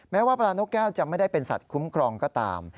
ว่าปลานกแก้วจะไม่ได้เป็นสัตว์คุ้มครองก็ตาม